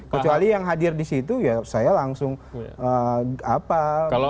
kecuali yang hadir di situ ya saya langsung apa